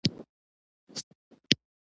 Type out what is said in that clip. ښکاري د خپل ښکار لپاره ځانګړی مهارت لري.